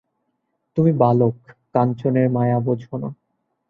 তুমি বালক, কাঞ্চনের মায়া বোঝ না।